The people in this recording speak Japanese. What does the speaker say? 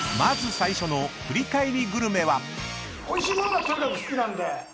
おいしい物がとにかく好きなんで。